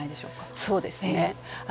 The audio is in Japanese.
そうですね。